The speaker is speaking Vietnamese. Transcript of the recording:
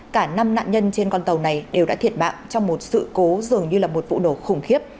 cả năm nạn nhân trên con tàu này đều đã thiệt mạng trong một sự cố dường như là một vụ nổ khủng khiếp